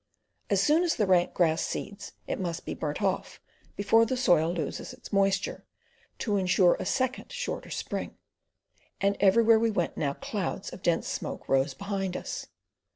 As soon as the rank grass seeds it must be burnt off, before the soil loses its moisture, to ensure a second shorter spring, and everywhere we went now clouds of dense smoke rose behind us.